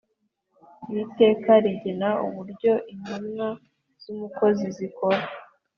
Iri teka rigena uburyo intumwa z abakozi zikora